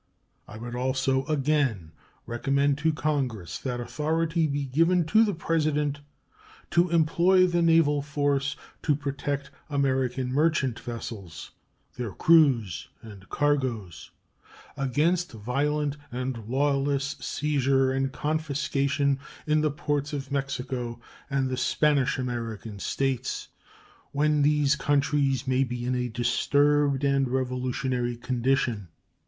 I would also again recommend to Congress that authority be given to the President to employ the naval force to protect American merchant vessels, their crews and cargoes, against violent and lawless seizure and confiscation in the ports of Mexico and the Spanish American States when these countries may be in a disturbed and revolutionary condition.